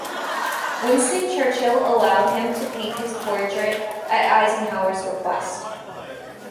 Winston Churchill allowed him to paint his portrait at Eisenhower's request.